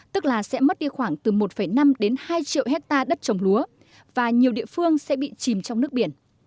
tức là sẽ mất đi khoảng từ một năm đến hai triệu hectare đất trồng lúa và nhiều địa phương sẽ bị chìm trong nước biển